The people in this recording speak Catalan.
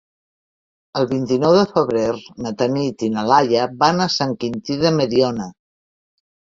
El vint-i-nou de febrer na Tanit i na Laia van a Sant Quintí de Mediona.